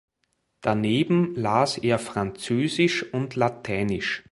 Daneben las er Französisch und Lateinisch.